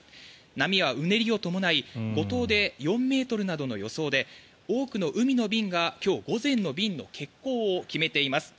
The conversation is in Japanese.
波はうねりを伴い五島で４ｍなどの予想で多くの海の便が今日午前の便の欠航を決めています。